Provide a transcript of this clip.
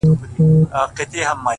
سم لكه ماهى يو سمندر تر ملا تړلى يم؛